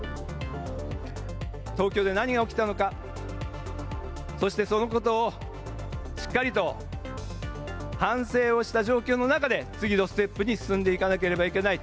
東京で何が起きたのか、そしてそのことをしっかりと反省をした状況の中で、次のステップに進んでいかなければいけない。